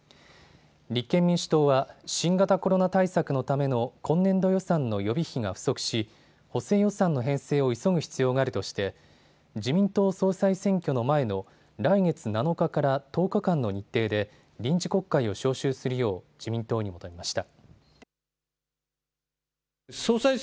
立憲民主党は新型コロナ対策のための今年度予算の予備費が不足し補正予算の編成を急ぐ必要があるとして自民党総裁選挙の前の来月７日から１０日間の日程で臨時国会を召集するよう自民党に求めました。